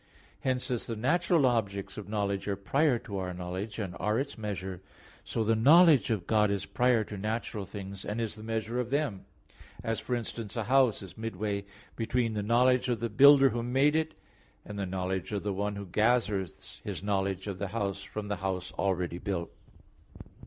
Hence, as the natural objects of knowledge are prior to our knowledge, and are its measure, so, the knowledge of God is prior to natural things, and is the measure of them; as, for instance, a house is midway between the knowledge of the builder who made it, and the knowledge of the one who gathers his knowledge of the house from the house already built.